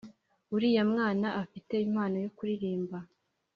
Uriya mwana afite impano yo kuririmba